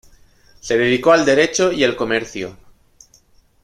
Se dedicó al derecho y el comercio.